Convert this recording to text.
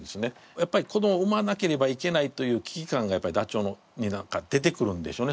やっぱり子どもを産まなければいけないという危機感がやっぱりダチョウに出てくるんでしょうね。